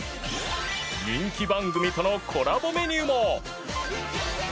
人気番組とのコラボメニューも。